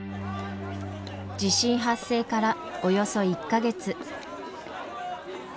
地震発生からおよそ１か月。